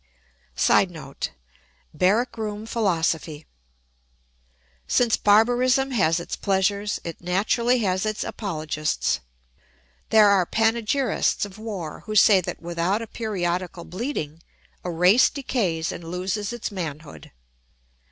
[Sidenote: Barrack room philosophy.] Since barbarism has its pleasures it naturally has its apologists. There are panegyrists of war who say that without a periodical bleeding a race decays and loses its manhood.